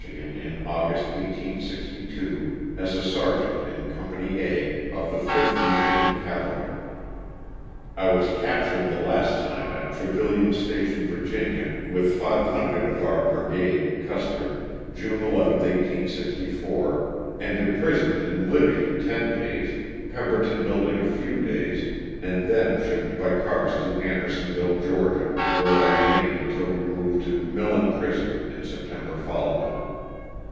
in August 1862, ■■^ as a sergeant in Company A, of the 5th Michigan Cavalry. I was captured the last time at Trevillian Station, Va., with 500 of our brigade (Custer) June 11, 1864, and imprisoned in Libby ten days, Pember ton building a few days and then shipped by cars to Andersonville, Ga., where I remained until removed to Millen prison in September following.